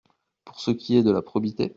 Et pour ce qui est de la probité …